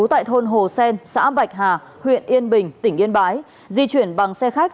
tại thôn hồ sen xã bạch hà huyện yên bình tỉnh yên bái di chuyển bằng xe khách